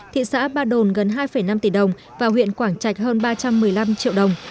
thị xã ba đồn gần hai năm tỷ đồng và huyện quảng trạch hơn ba trăm một mươi năm triệu đồng